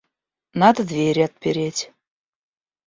Надо двери отпереть.